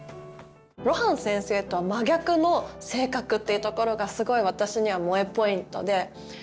露伴先生とは真逆の性格っていうところがすごい私には萌えポイントで。